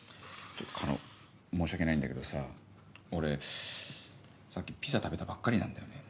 「狩野申し訳ないんだけどさ俺さっきピザ食べたばっかりなんだよね」。